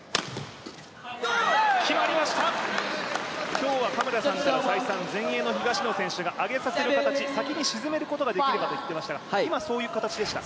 今日は嘉村さんから再三、前衛の東野選手が上げさせる形、先に沈めることができればと言っていましたが、今、そういう形でした？